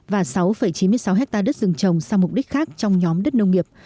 và sáu chín mươi sáu hectare đất rừng trồng sang mục đích khác trong nhóm đất nông nghiệp